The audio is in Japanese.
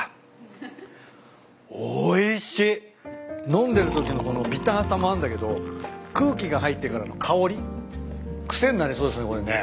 飲んでるときのビターさもあんだけど空気が入ってからの香り癖になりそうですね